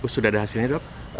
sudah ada hasilnya dok